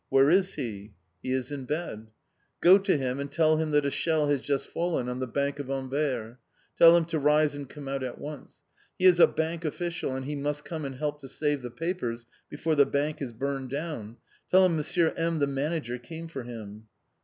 "Where is he?" "He is in bed." "Go to him and tell him that a shell has just fallen on the Bank of Anvers. Tell him to rise and come out at once. He is a Bank Official and he must come and help to save the papers before the bank is burned down! Tell him Monsieur M., the Manager, came for him."